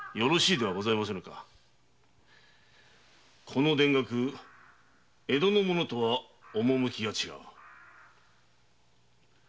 この田楽江戸のものとは趣が違う。